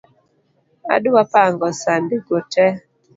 Adwa pango sande go tee .